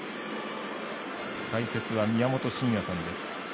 解説は、宮本慎也さんです。